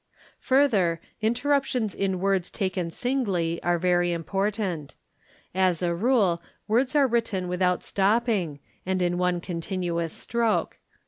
Further, interruptions in words taken singly are very important. As _ a rule words are written without stopping and in one continuous stroke.